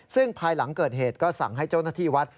ซึ่งภายหลังเกิดเหตุก็สั่งให้เจ้าหน้าที่วัด